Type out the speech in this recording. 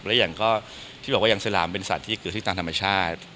และอย่างก็ที่บอกว่าอย่างสลามเป็นสัตว์ที่เกิดที่ตามธรรมชาติ